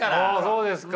そうですか。